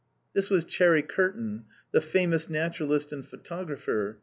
This was Cherry Kearton, the famous naturalist and photographer.